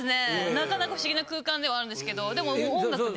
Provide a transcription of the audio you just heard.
なかなか不思議な空間ではあるんですけどでも音楽で。